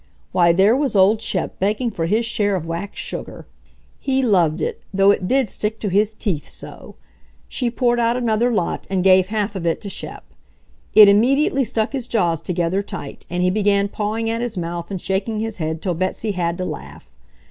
Why, there was old Shep begging for his share of waxed sugar. He loved it, though it did stick to his teeth so! She poured out another lot and gave half of it to Shep. It immediately stuck his jaws together tight, and he began pawing at his mouth and shaking his head till Betsy had to laugh.